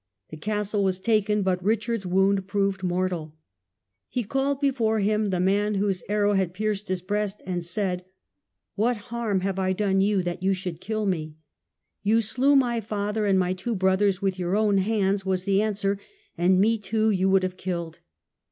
The castie was taken, but Richard's wound proved mortal He hu death, called before him the man whose arrow hau pierced his breast, and said, "What harm have I done 48 DEATH OF RICHARD. you that you should kill me?" "You slew my father and my two brothers with your own hands," was the answer, "and me too you would have killed.